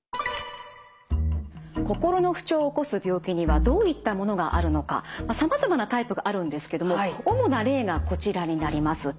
心の不調を起こす病気にはどういったものがあるのかさまざまなタイプがあるんですけども主な例がこちらになります。